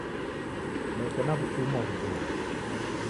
Neko na w'udumwa ghuboie.